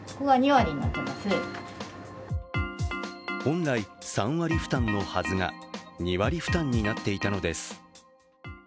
本来３割負担のはずが２割負担になっていたのです。